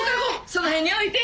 その辺に置いて。